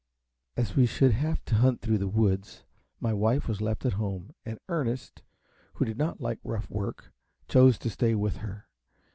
As we should have to hunt through the woods, my wife was left at home; and Ernest, who did not like rough work, chose to stay with her.